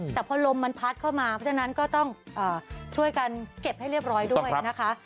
แต่พอลมมันพัดเข้ามาเพราะฉะนั้นก็ต้องช่วยกันเก็บให้เรียบร้อยด้วยนะคะ